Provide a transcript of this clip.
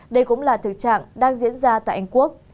đây cũng là thực trạng đang diễn ra tại anh quốc